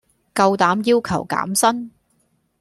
夠膽要求減薪